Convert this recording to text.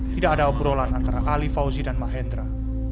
tidak ada obrolan antara ali fauzi dan mahendra